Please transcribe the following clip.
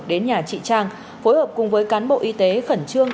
đến nhà chị trang phối hợp cùng với cán bộ y tế khẩn trương